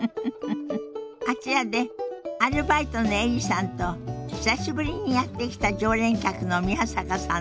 あちらでアルバイトのエリさんと久しぶりにやって来た常連客の宮坂さんのおしゃべりが始まりそうよ。